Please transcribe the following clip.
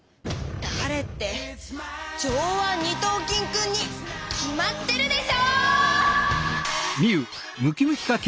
だれって上腕二頭筋君に決まってるでしょ！